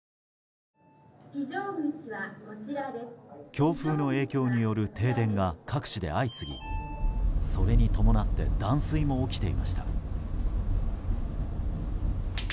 強風の影響による停電が各地で相次ぎそれに伴って断水も起きていました。